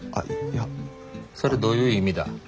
それどういう意味だ？